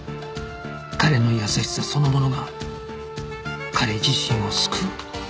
彼の優しさそのものが彼自身を救う